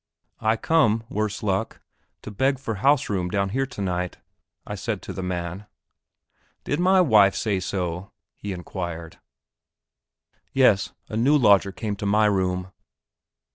"I come, worse luck, to beg for house room down here tonight," I said to the man. "Did my wife say so?" he inquired. "Yes; a new lodger came to my room."